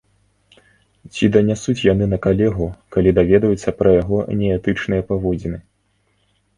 Ці данясуць яны на калегу, калі даведаюцца пра яго неэтычныя паводзіны.